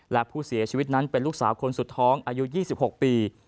และผู้เสียชีวิตนั้นเป็นลูกสาวคนสุดท้องอายุ๒๖ปี